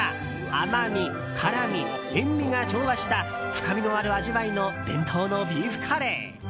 甘み、辛み、塩みが調和した深みのある味わいの伝統のビーフカレー。